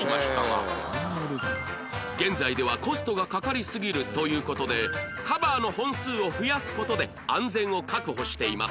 現在ではコストがかかりすぎるという事でカバーの本数を増やす事で安全を確保しています